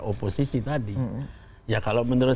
oposisi tadi ya kalau menurut